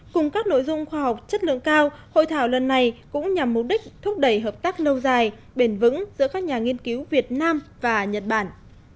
cùng các nội dung khoa học chất lượng cao hội thảo lần này cũng nhằm mục đích thúc đẩy hợp tác lâu dài bền vững giữa các nhà nghiên cứu việt nam và nhật bản